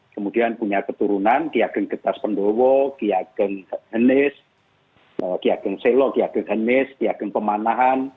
kemudian punya keturunan ki ageng getas pendowo ki ageng henis ki ageng selo ki ageng henis ki ageng pemanahan